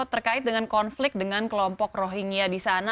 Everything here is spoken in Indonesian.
terkait dengan konflik dengan kelompok rohingya di sana